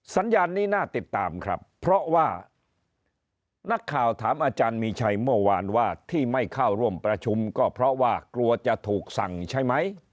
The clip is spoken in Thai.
สัญญาณนี้น่าติดตามครับเพราะว่านักข่าวถามอาจารย์มีชัยเมื่อวานว่าที่ไม่เข้าร่วมประชุมก็เพราะว่ากลัวจะถูกสั่งใช่ไหม